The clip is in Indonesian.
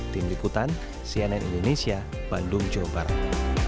tim liputan cnn indonesia bandung jawa barat